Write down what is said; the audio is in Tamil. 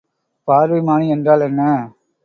பார்வைமானி என்றால் என்ன?